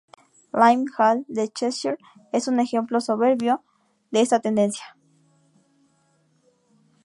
Lyme Hall en Cheshire es un ejemplo soberbio de esta tendencia.